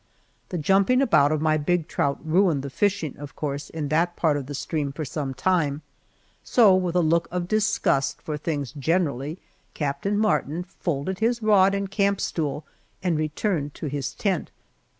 The jumping about of my big trout ruined the fishing, of course, in that part of the stream for some time, so, with a look of disgust for things generally, Captain Martin folded his rod and camp stool and returned to his tent.